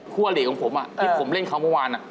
อลีกของผมที่ผมเล่นเขาเมื่อวาน